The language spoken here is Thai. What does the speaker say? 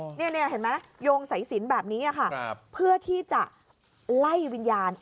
เห็นไหมโยงสายสินแบบนี้ค่ะเพื่อที่จะไล่วิญญาณ